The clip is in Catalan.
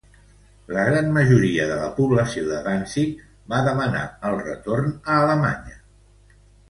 La gran majoria de la població de Danzig va demanar el retorn a Alemanya.